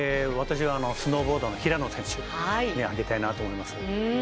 私はスノーボードの平野選手です。